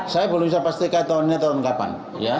saya belum bisa pastikan tahun ini tahun kapan